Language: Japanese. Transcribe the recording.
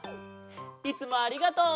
いつもありがとう！